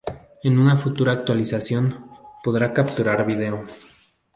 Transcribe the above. En una futura actualización, podrá capturar vídeo.